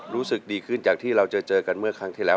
รู้สึกดีขึ้นจากที่เราเจอกันเมื่อครั้งที่แล้ว